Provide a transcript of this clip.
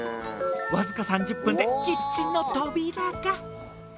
僅か３０分でキッチンの扉が。